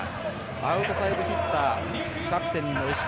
アウトサイドヒッターキャプテンの石川。